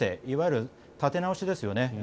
いわゆる立て直しですよね